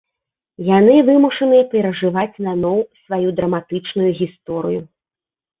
Яны вымушаныя перажываць наноў сваю драматычную гісторыю.